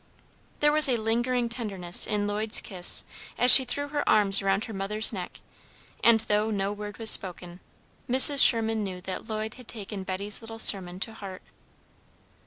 There was a lingering tenderness in Lloyd's kiss as she threw her arms around her mother's neck, and, though no word was spoken, Mrs. Sherman knew that Lloyd had taken Betty's little sermon to heart.